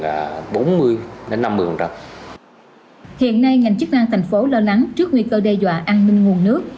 hiện nay ngành chức năng thành phố lo lắng trước nguy cơ đe dọa an ninh nguồn nước